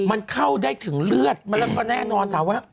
มันเข้าได้ถึงเลือดมันก็แน่นอน